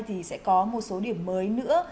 thì sẽ có một số điểm mới nữa